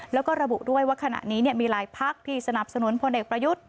แล้วก็ระบุด้วยว่าขณะนี้มีหลายพักที่สนับสนุนพลเอกประยุทธ์